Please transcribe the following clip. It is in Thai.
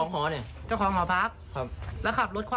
เห้ยตอนนี้ด่านนักข่าวด้วยวะ